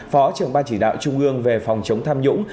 phó trưởng ban chỉ đạo trung ương về phòng chống tham nhũng